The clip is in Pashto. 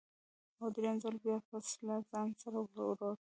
او درېیم ځل بیا پسه له ځانه سره وړو.